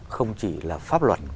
không chỉ là pháp luật